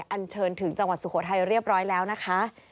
อันเชิญถึงจังหวัดสุโขทัยเรียบร้อยแล้วนะคะ